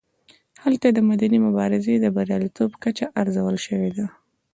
هلته د مدني مبارزې د بریالیتوب کچه ارزول شوې ده.